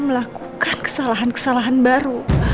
melakukan kesalahan kesalahan baru